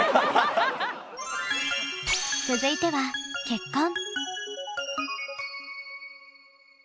続いては結婚。